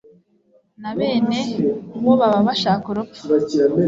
na bene wo baba bashaka urupfu